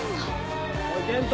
おい健人。